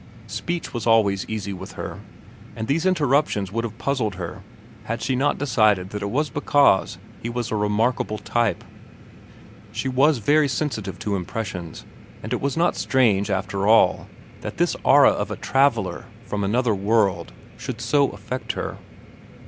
Speech was always easy with her, and these interruptions would have puzzled her had she not decided that it was because he was a remarkable type. She was very sensitive to impressions, and it was not strange, after all, that this aura of a traveller from another world should so affect her.